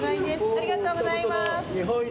ありがとうございます。